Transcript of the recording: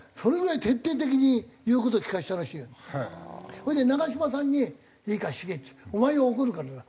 それで長嶋さんに「いいか茂。お前を怒るからな。